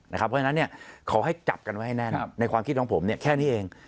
เพราะฉะนั้นขอให้จับกันไว้ให้แน่นในความคิดของผมแค่นี้เอง